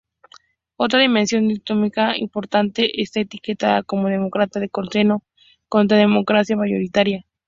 Otra dimensión dicotómica importante está etiquetada como democracia de consenso contra democracia mayoritaria.